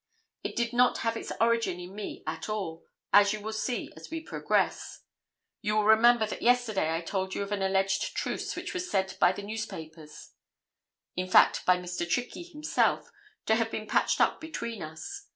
It did not have its origin in me at all, as you will see as we progress. You will remember that yesterday I told you of an alleged truce which was said by the newspapers, in fact by Mr. Trickey himself, to have been patched up between us.